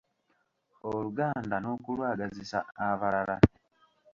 Oluganda n’okulwagazisa abalala